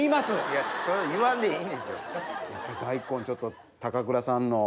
やっぱ大根をちょっと高倉さんのを。